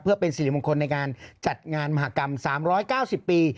เพื่อเป็นสิริมงคลในการจัดงานมหากรรม๓๙๐ปี